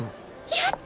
やった！